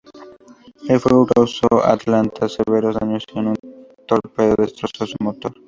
El fuego causó al "Atlanta" severos daños, y un torpedo destrozó su motor.